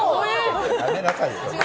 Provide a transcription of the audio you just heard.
やめなさいよ。